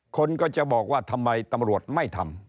คนก็จะบอกว่าทำไมตำรวจไม่ทำ